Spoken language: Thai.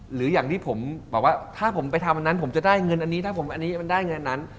หรืออย่างที่ผมบอกว่าถ้าผมไปทำอันนั้นผมจะได้เงินอันนี้ถ้าผมอันนี้มันได้เงินอันนั้น